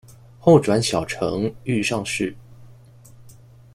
后转小承御上士。